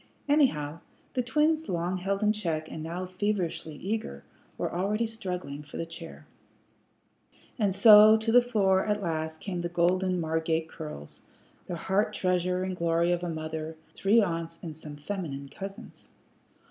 Anyhow, the twins, long held in check, and now feverishly eager, were already struggling for the chair. [Illustration: "THE QUEEN HERSELF TOOK THE CHAIR"] And so to the floor at last came the golden Margate curls, the heart treasure and glory of a mother, three aunts, and some feminine cousins.